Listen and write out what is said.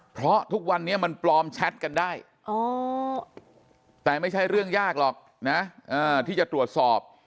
เพราะทุกวันนี้มันปลอมแชทกันได้แต่ไม่ใช่เรื่องยากหรอกนะที่จะตรวจสอบ